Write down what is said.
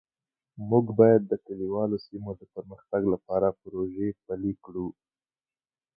موږ باید د کلیوالو سیمو د پرمختګ لپاره پروژې پلي کړو